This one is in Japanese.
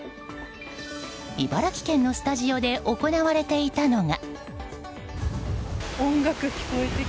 茨城県のスタジオで行われていたのが。